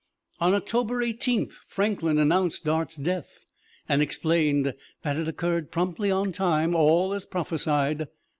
On October Eighteenth, Franklin announced Dart's death, and explained that it occurred promptly on time, all as prophesied.